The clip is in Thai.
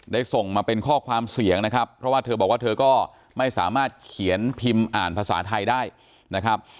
ส่งมาเป็นข้อความเสียงนะครับเพราะว่าเธอบอกว่าเธอก็ไม่สามารถเขียนพิมพ์อ่านภาษาไทยได้นะครับ